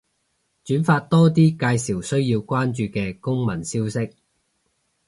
轉發多啲介紹需要關注嘅公民消息